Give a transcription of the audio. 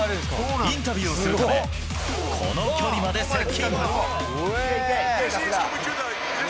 インタビューをするため、この距離まで接近。